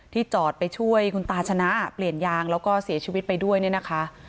จอดไปช่วยคุณตาชนะเปลี่ยนยางแล้วก็เสียชีวิตไปด้วยเนี่ยนะคะ